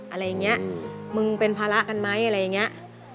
อะไรอย่างนี้มึงเป็นภาระกันไหมอะไรอย่างนี้